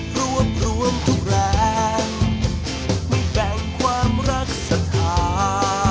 รวบรวมทุกแรงไม่แบ่งความรักศรัทธา